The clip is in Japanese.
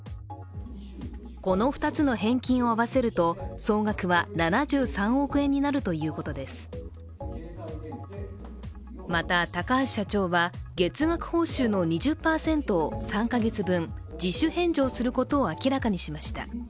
この２つの返金を合わせると総額はまた、高橋社長は月額報酬の２０％を３カ月分自主返上することを明らかにしました。